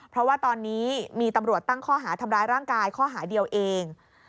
เพราะว่าตอนนี้มีตำรวจตั้งข้อหาทำร้ายร่างกายข้อหาเดียวเอง